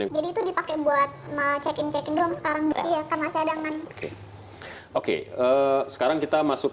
jadi itu dipakai buat me check in check in doang sekarang karena sadangan oke oke sekarang kita masuk